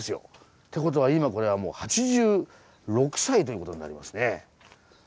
って事は今これは８６歳という事になりますね。